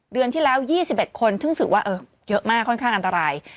เดือนที่แล้ว๒๑คนซึ่งถือว่าเยอะมากค่อนข้างอันตราย